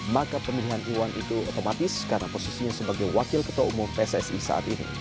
maka pemilihan iwan itu otomatis karena posisinya sebagai wakil ketua umum pssi saat ini